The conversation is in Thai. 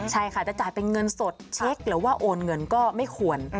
ใช่ค่ะจะจ่ายเป็นเงินสดเช็คหรือว่าโอนเงินก็ไม่ควร